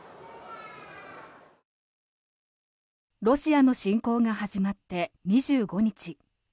ロシアの侵攻が始まって２５日。